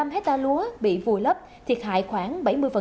một mươi năm hecta lúa bị vùi lấp thiệt hại khoảng bảy mươi